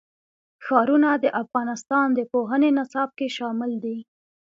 ښارونه د افغانستان د پوهنې نصاب کې شامل دي.